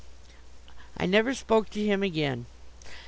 I never spoke to him again.